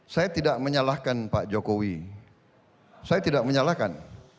saya tidak menyalahkan pak jokowi saya tidak menyalahkan